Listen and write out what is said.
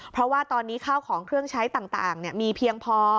เพราะว่าตอนนี้ข้าวของเครื่องใช้ต่างมีเพียงพอ